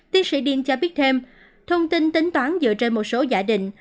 tiến sĩ tredin cho biết thêm thông tin tính toán dựa trên một số giải định